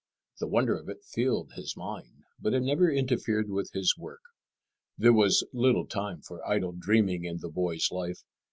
The wonder of it filled his mind, but it never interfered with his work. There was little time for idle dreaming in the boy's life.